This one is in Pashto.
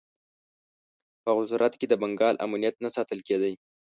په هغه صورت کې د بنګال امنیت نه ساتل کېدی.